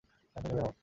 এখান থেকে বের হও।